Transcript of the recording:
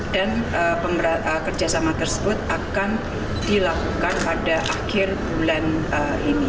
dan kerjasama tersebut akan dilakukan pada akhir bulan ini